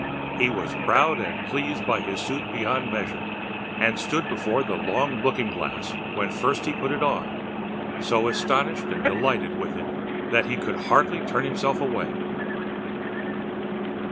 He was proud and pleased by his suit beyond measure, and stood before the long looking glass when first he put it on, so astonished and delighted with it that he could hardly turn himself away.